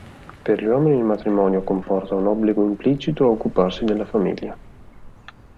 Per gli uomini il matrimonio comporta un obbligo implicito a occuparsi della famiglia.